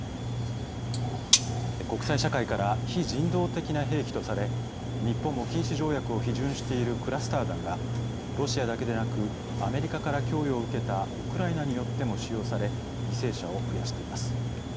国際社会から非人道的な兵器とされ日本も禁止条約を批准しているクラスター弾がロシアだけでなくアメリカから供与を受けたウクライナによっても使用され犠牲者を増やしています。